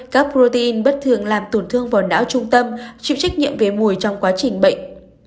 các protein bất thường làm tổn thương vào não trung tâm chịu trách nhiệm về mùi trong quá trình bệnh